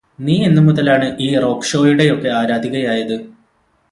നീ എന്നുമുതലാണ് ഈ റോക്ക്ഷോയുടെയൊക്കെ ആരാധികയായത്